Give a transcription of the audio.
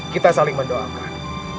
kita saling mendoakan